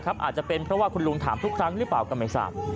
อาจจะเป็นเพราะว่าคุณลุงถามทุกครั้งหรือเปล่าก็ไม่ทราบ